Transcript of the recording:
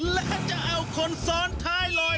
และจะเอาคนซ้อนท้ายลอย